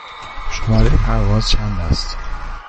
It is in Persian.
شماره پرواز چند است؟